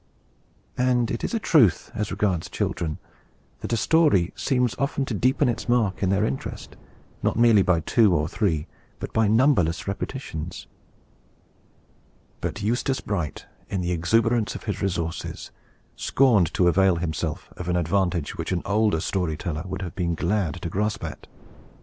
And it is a truth, as regards children, that a story seems often to deepen its mark in their interest, not merely by two or three, but by numberless repetitions. But Eustace Bright, in the exuberance of his resources, scorned to avail himself of an advantage which an older story teller would have been glad to grasp at.